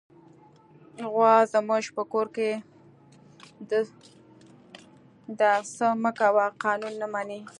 غوا زموږ په کور کې د "څه مه کوه" قانون نه مني.